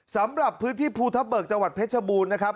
สำหรับพื้นที่ภูทะเบิกจังหวัดเพชรบูรณ์นะครับ